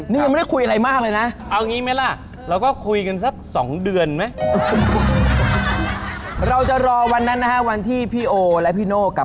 นึงยังไม่ได้คุยอะไรมากเลยนะ